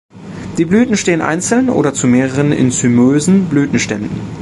Die Blüten stehen einzeln oder zu mehreren in zymösen Blütenständen.